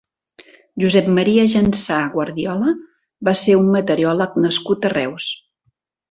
Josep Maria Jansà Guardiola va ser un meteoròleg nascut a Reus.